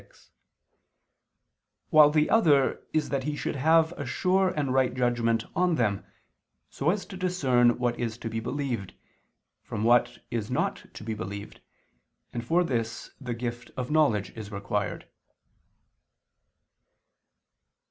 6): while the other is that he should have a sure and right judgment on them, so as to discern what is to be believed, from what is not to be believed, and for this the gift of knowledge is required.